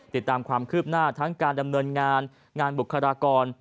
ติดตามความคืบหน้าทั้งการดำเนินงานงานบุคลากร